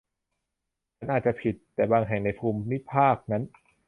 ฉันอาจจะผิด แต่บางแห่งในภูมิภาคนั้น